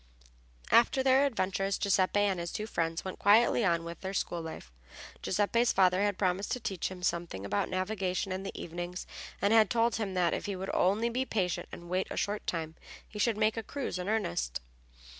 After their adventure Giuseppe and his two friends went quietly on with their school life. Giuseppe's father had promised to teach him something about navigation in the evenings, and had told him that, if he would only be patient and wait a short time, he should make a cruise in earnest.